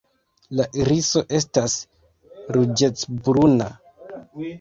La iriso estas ruĝecbruna.